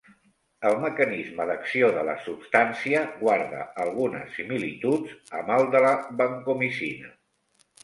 El mecanisme d'acció de la substància guarda algunes similituds amb el de la vancomicina.